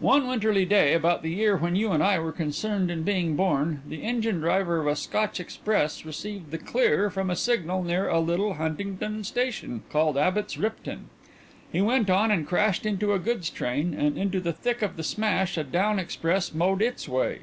"One winterly day, about the year when you and I were concerned in being born, the engine driver of a Scotch express received the 'clear' from a signal near a little Huntingdon station called Abbots Ripton. He went on and crashed into a goods train and into the thick of the smash a down express mowed its way.